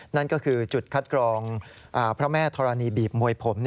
นั่นก็คือจุดคัดกรองพระแม่ธรณีบีบมวยผม